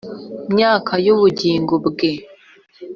Myaka y ubugingo bwe